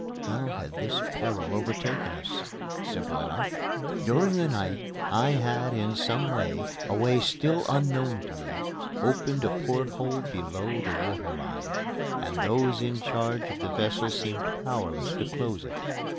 How had this peril overtaken us? Simply enough: During the night I had in some way a way still unknown to me opened a porthole below the water line; and those in charge of the vessel seemed powerless to close it.